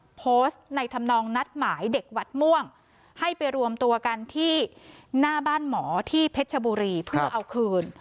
โพสต์ในธรรมนองนัดหมายเด็กวัดม่วงให้ไปรวมตัวกันที่หน้าบ้านหมอที่เพชรชบุรีเพื่อเอาคืน